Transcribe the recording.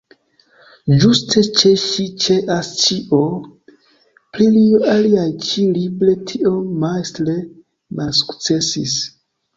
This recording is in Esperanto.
Ĝuste ĉe ŝi ĉeas ĉio, pri kio aliaj ĉi-libre tiom majstre malsukcesis.